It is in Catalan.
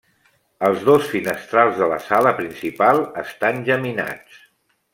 Els dos finestrals de la sala principal estan geminats.